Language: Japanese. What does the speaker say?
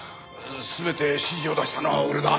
全て指示を出したのは俺だ。